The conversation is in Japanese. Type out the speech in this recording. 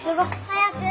早く！